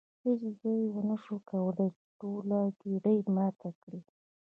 هیڅ زوی ونشو کولی چې ټوله ګېډۍ ماته کړي.